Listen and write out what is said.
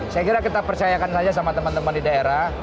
saya kira kita percayakan saja sama teman teman di daerah